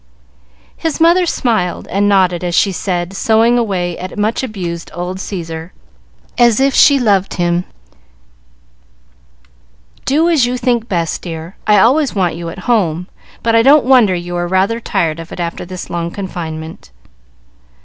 His mother smiled and nodded as she said, sewing away at much abused old Caesar, as if she loved him, "Do as you think best, dear. I always want you at home, but I don't wonder you are rather tired of it after this long confinement."